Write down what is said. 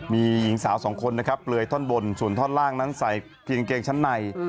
มีสาว๒คนปล่วยท่อนบนส่วนท่อนล่างนอกใส่เปลี่ยนแกงเลือดชั้นใน